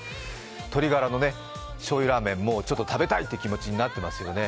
鶏ガラのしょうゆラーメン、もう食べたいっていう気持ちになってますよね。